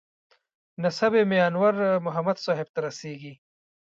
نسب یې میانور محمد صاحب ته رسېږي.